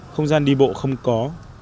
không gian đi bộ không có